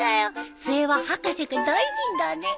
末は博士か大臣だね。